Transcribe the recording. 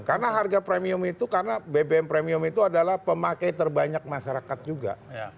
karena harga premium itu karena bbm premium itu adalah pemakai terbanyak masyarakat juga